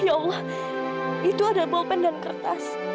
ya allah itu ada bopen dan kertas